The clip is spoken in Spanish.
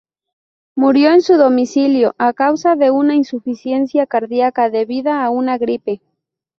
Murió en su domicilio a causa de una insuficiencia cardíaca debida a una gripe.